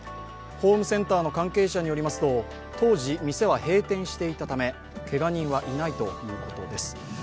ホームセンターの関係者によりますと、当時店は閉店していたためけが人はいないということです。